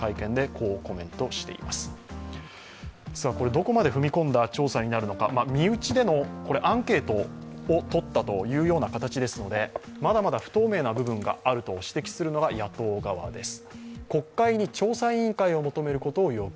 どこまで踏み込んだ調査になるのか、身内でのアンケートをとったという形ですので、まだまだ不透明な部分があると指摘するのが野党側です。